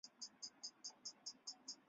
包括肌肉和海绵组织。